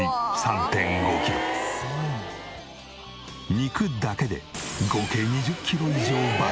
肉だけで合計２０キロ以上爆買い！